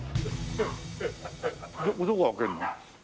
どこ開けるの？